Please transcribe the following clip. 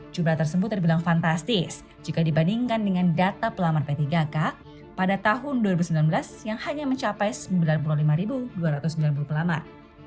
jumlah tersebut terbilang fantastis jika dibandingkan dengan data pelamar p tiga k pada tahun dua ribu sembilan belas yang hanya mencapai sembilan puluh lima dua ratus sembilan puluh pelamar